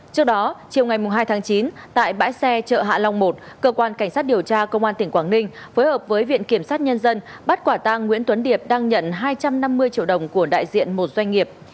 trước đó chiều ngày hai tháng chín tại bãi xe chợ hạ long một cơ quan cảnh sát điều tra công an tỉnh quảng ninh phối hợp với viện kiểm sát nhân dân bắt quả tang nguyễn tuấn điệp đang nhận hai trăm năm mươi triệu đồng của đại diện một doanh nghiệp